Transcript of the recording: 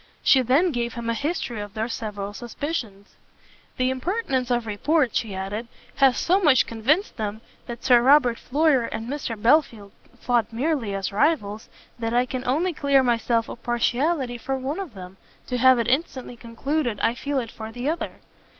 She then gave him a history of their several suspicions. "The impertinence of report," she added, "has so much convinced them that Sir Robert Floyer and Mr Belfield fought merely as rivals, that I can only clear myself of partiality for one of them, to have it instantly concluded I feel it for the other.